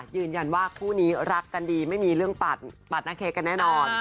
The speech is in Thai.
ยืนยันว่าคู่นี้รักกันดีไม่มีเรื่องปัดหน้าเค้กกันแน่นอน